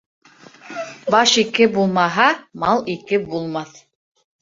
Баш ике булмаһа, мал ике булмаҫ.